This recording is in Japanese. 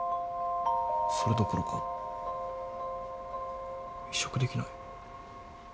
それどころか移植できない。